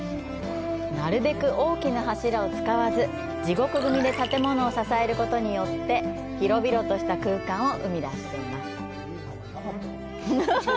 なるべく大きな柱を使わず、地獄組で建物を支えることによって広々とした空間を生み出しています。